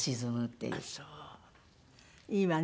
いいわね